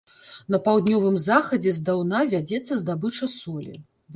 На паўднёвым захадзе здаўна вядзецца здабыча солі.